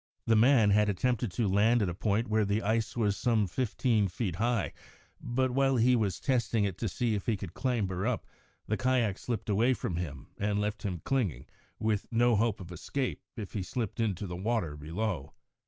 The man had attempted to land at a point where the ice was some fifteen feet high, but while he was testing it to see if he could clamber up, the kayak slipped away from him and left him clinging, with no hope of escape if he slipped into the water below.